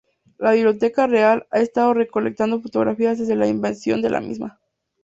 La Biblioteca Real ha estado recolectando fotografías desde la invención de la misma.